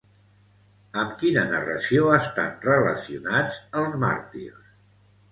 Amb quina narració estan relacionats els màrtirs?